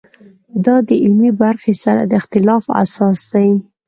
دا د علمي برخې سره د اختلاف اساس دی.